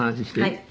はい。